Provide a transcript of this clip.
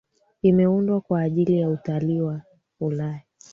Imeundwa kwa ajili ya utalii wa Ulaya